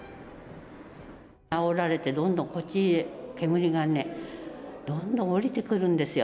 あおられて、どんどんこっちへ煙がね、どんどん下りてくるんですよ。